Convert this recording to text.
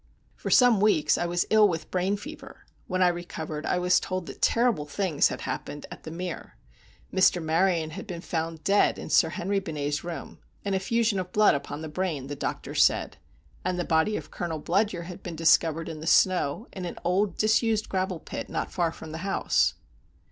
For some weeks I was ill with brain fever. When I recovered I was told that terrible things had happened at The Mere. Mr. Maryon had been found dead in Sir Henry Benet's room—an effusion of blood upon the brain, the doctors said—and the body of Colonel Bludyer had been discovered in the snow in an old disused gravel pit not far from the house.